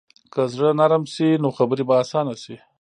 که زړه نرمه شي، نو خبرې به اسانه شي.